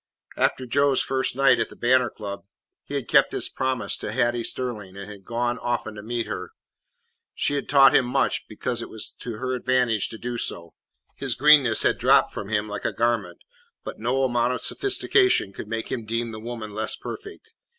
After Joe's first night at the Banner Club he had kept his promise to Hattie Sterling and had gone often to meet her. She had taught him much, because it was to her advantage to do so. His greenness had dropped from him like a garment, but no amount of sophistication could make him deem the woman less perfect.